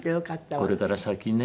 これから先ね